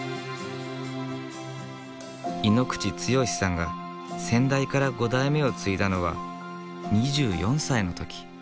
井ノ口毅さんが先代から５代目を継いだのは２４歳の時。